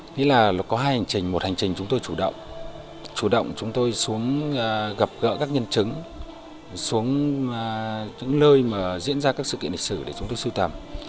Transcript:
nghĩ là có hai hành trình một hành trình chúng tôi chủ động chủ động chúng tôi xuống gặp gỡ các nhân chứng xuống những nơi mà diễn ra các sự kiện lịch sử để chúng tôi sưu tầm